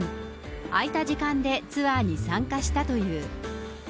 空いた時間でツアーに参加したという。